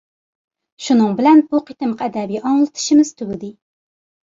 شۇنىڭ بىلەن بۇ قېتىمقى ئەدەبىي ئاڭلىتىشىمىز تۈگىدى.